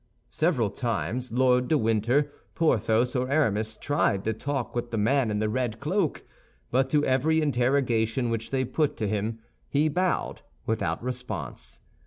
Several times Lord de Winter, Porthos, or Aramis tried to talk with the man in the red cloak; but to every interrogation which they put to him he bowed, without response.